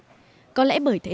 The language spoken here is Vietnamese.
nhạc sao thì người vậy